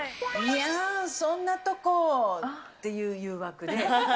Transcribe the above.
やーん、そんなとこーっていう誘惑で。